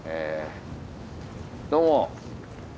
どうも。